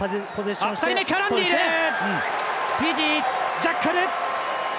ジャッカル！